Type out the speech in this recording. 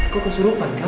kok kesurupan kak